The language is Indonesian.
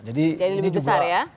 jadi lebih besar ya